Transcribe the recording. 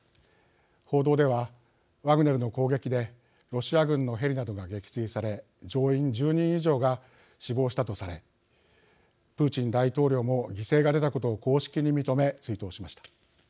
報道では、ワグネルの攻撃でロシア軍のヘリなどが撃墜され乗員１０人以上が死亡したとされプーチン大統領も犠牲が出たことを公式に認め追悼しました。